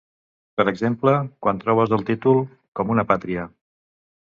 Per exemple, quan trobes el títol: “Com una pàtria”.